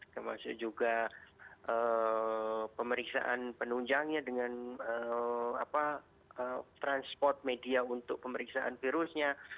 termasuk juga pemeriksaan penunjangnya dengan transport media untuk pemeriksaan virusnya